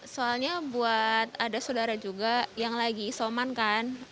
soalnya buat ada saudara juga yang lagi isoman kan